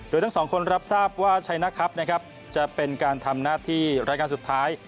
โดยทั้งสองคนรับทราบว่าชัยนะครับจะเป็นการทำหน้าที่รายการสุดท้าย